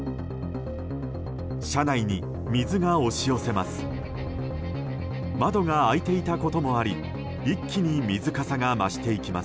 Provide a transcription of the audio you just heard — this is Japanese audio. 車内に水が押し寄せます。